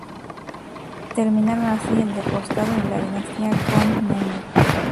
Terminaron así el Despotado y la dinastía Comneno.